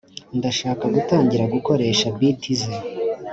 Ndashaka gutangira gukoresha beat ze